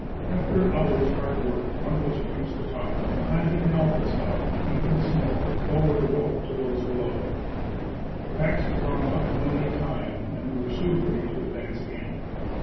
After an hour's hard work one of us reached the top and, planting an alpenstock deep in the snow, lowered a rope to those below. The packs were drawn up one at a time and we were soon ready to advance again.